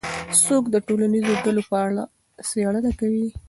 څوک د ټولنیزو ډلو په اړه څېړنه کوي؟